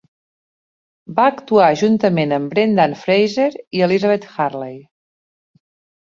Va actuar juntament amb Brendan Fraser i Elizabeth Hurley.